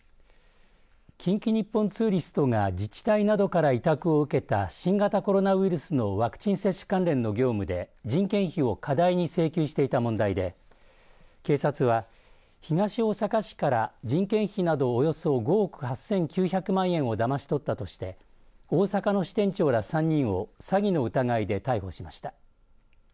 近畿日本ツーリストが自治体などから委託を受けた新型コロナウイルスのワクチン接種関連の業務で人件費を過大に請求していた問題で警察は東大阪市から人件費などおよそ５億８９００万円をだまし取ったとして大阪の支店長ら３人を詐欺の疑いで逮捕しました。